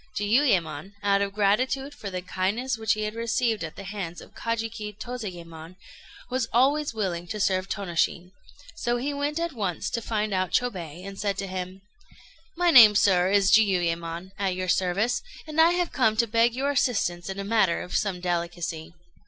Jiuyémon, out of gratitude for the kindness which he had received at the hands of Kajiki Tozayémon, was always willing to serve Tônoshin; so he went at once to find out Chôbei, and said to him "My name, sir, is Jiuyémon, at your service; and I have come to beg your assistance in a matter of some delicacy."